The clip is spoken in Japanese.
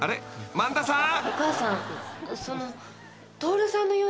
萬田さん？］